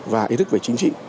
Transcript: và ý thức về chính trị